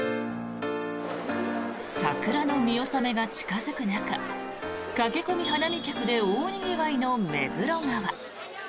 桜の見納めが近付く中駆け込み花見客で大にぎわいの目黒川。